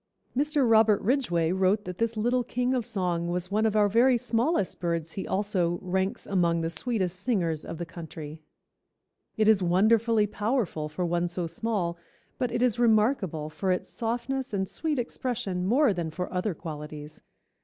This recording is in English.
Mr. Robert Ridgway wrote that this little king of song was one of our very smallest birds he also "ranks among the sweetest singers of the country. It is wonderfully powerful for one so small, but it is remarkable for its softness and sweet expression more than for other qualities.